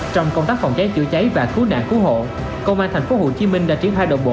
trong công tác phòng cháy chữa cháy và cứu nạn cứu hộ công an tp hcm đã triển khai đồng bộ